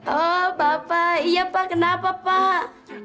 oh bapak iya pak kenapa pak